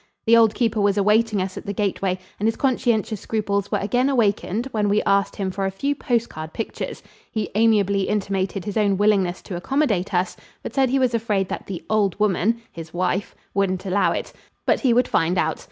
The old keeper was awaiting us at the gateway and his conscientious scruples were again awakened when we asked him for a few post card pictures. He amiably intimated his own willingness to accommodate us, but said he was afraid that the "old woman" (his wife) wouldn't allow it, but he would find out.